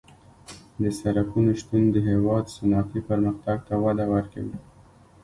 د سرکونو شتون د هېواد صنعتي پرمختګ ته وده ورکوي